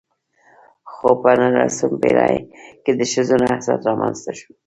خو په نولسمه پېړۍ کې د ښځو نضهت رامنځته شو .